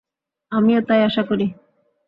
আমিও তাই আশা করি!